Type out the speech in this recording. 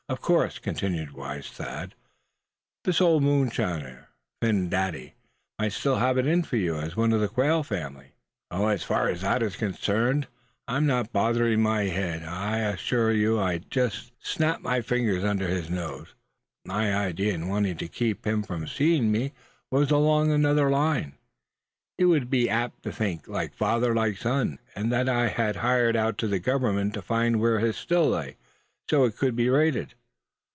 "Of course," continued wise Thad, "this old moonshiner, Phin Dady, might still have it in for you, as one of the Quail family." "As far as that is concerned, suh, I'm not bothering my head, I assuah you. I'd just as lief face Old Phin, and snap my fingers under his nose. My idea in wanting to keep him from seeing me was along another line, suh. He would be apt to think 'like father, like son;' and that I had hired out to the Government to find where his Still lay, so it could be raided.